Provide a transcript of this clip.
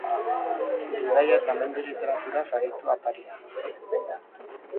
Bidaia eta mendi literaturaz aritu atarian.